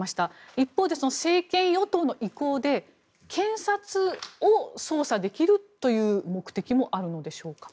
一方で、政権与党の意向で検察を捜査できるという目的もあるのでしょうか。